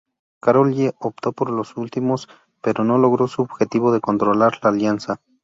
Károlyi optó por los últimos, pero no logró su objetivo de controlar la alianza.